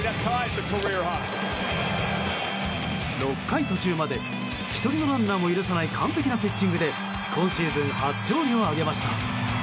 ６回途中まで１人のランナーも許さない完璧なピッチングで今シーズン初勝利を挙げました。